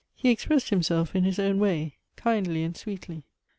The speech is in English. He expressed him self in his own way;, kindly and sweetly.